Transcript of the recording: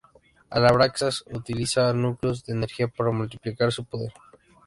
Abraxas utiliza núcleos de energía para multiplicar su poder.